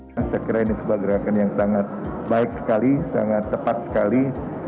saya kira ini sebuah gerakan yang sangat baik sekali sangat tepat sekali